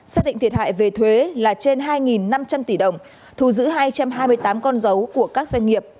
xác định thiệt hại về thuế là trên hai năm trăm linh tỷ đồng thu giữ hai trăm hai mươi tám con dấu của các doanh nghiệp